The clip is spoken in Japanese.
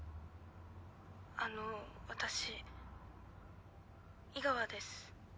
あの私井川です。